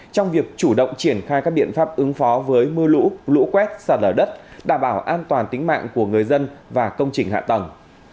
trong việc chủ động triển khai các biện pháp ứng phó với mưa lũ lũ quét sạt lở đất đảm bảo an toàn tính mạng của người dân và công trình hạ tầng